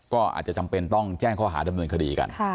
ก็อาจจะจำเป็นต้องแจ้งข้อหาดำเนินคดีกัน